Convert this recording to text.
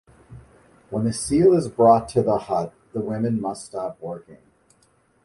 When a seal is brought to the hut, the women must stop working.